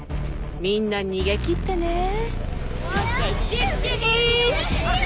みんな逃げ切ってね。